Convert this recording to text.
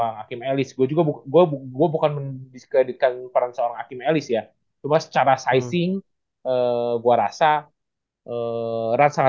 nggak usah terisi ya